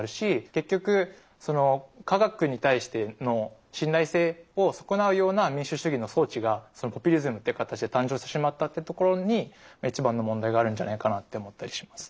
結局科学に対しての信頼性を損なうような民主主義の装置がポピュリズムっていう形で誕生してしまったってところにいちばんの問題があるんじゃないかなって思ったりします。